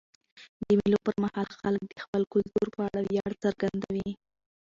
د مېلو پر مهال خلک د خپل کلتور په اړه ویاړ څرګندوي.